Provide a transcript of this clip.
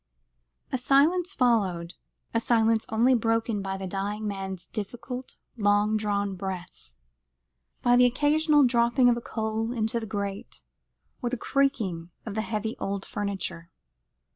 A silence followed, a silence only broken by the dying man's difficult long drawn breaths, by the occasional dropping of a coal into the grate, or the creaking of the heavy old furniture.